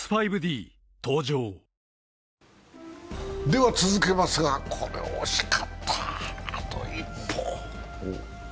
では続けます、これ惜しかった、あと一歩。